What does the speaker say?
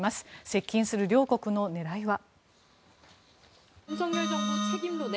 接近する両国の狙いは。